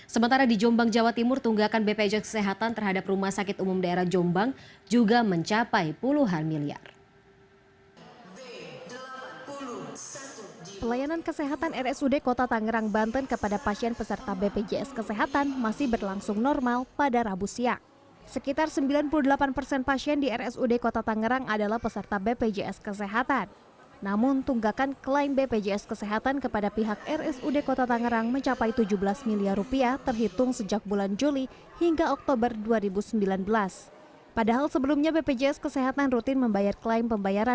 sementara di jombang jawa timur tunggakan bpjs kesehatan terhadap rumah sakit umum daerah jombang juga mencapai puluhan miliar